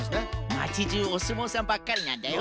まちじゅうおすもうさんばっかりなんだよ。